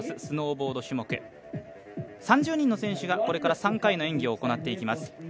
スノーボード種目、３０人の選手が、これから３回の演技を行っていきます。